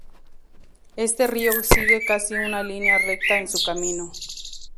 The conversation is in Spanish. Este río sigue casi una línea recta en su camino.